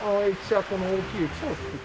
この大きい駅舎を作って。